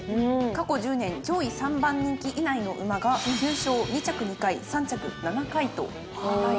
過去１０年に上位３番人気以内の馬が９勝２着２回３着７回と堅いんですよね。